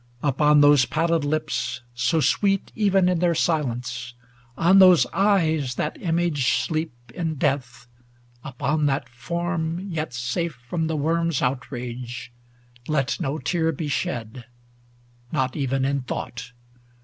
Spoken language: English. Upon those pallid lips So sweet even in their silence, on those eyes 700 That image sleep in death, upon that form Yet safe from the worm's outrage, let no tear Be shed ŌĆö not even in thought.